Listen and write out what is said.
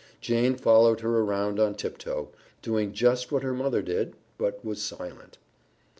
Jane followed her around on tiptoe, doing just what her mother did, but was silent.